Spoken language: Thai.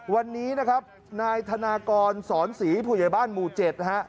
วันนี้นะครับนายธนากรสอนศรีผู้ใหญ่บ้านหมู่๗นะฮะ